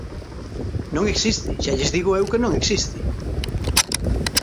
Non existe, xa lles digo eu que non existe.